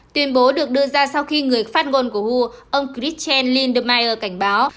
tuyên bố được đưa ra sau khi người phát ngôn của who ông christian lindemeyer cảnh báo